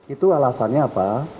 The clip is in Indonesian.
itu alasannya apa